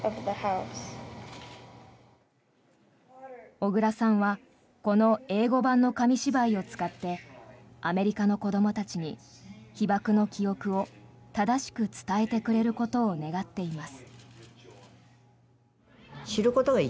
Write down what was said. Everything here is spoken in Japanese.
小倉さんはこの英語版の紙芝居を使ってアメリカの子どもたちに被爆の記憶を正しく伝えてくれることを願っています。